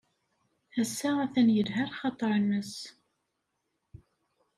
Ass-a, atan yelha lxaḍer-nnes.